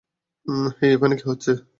হেই, ওখানে কী হচ্ছে?